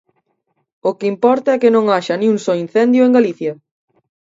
O que importa é que non haxa nin un só incendio en Galicia.